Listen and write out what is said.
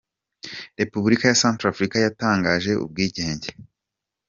Repubulika ya Central Africa yatangaje ubwigenge.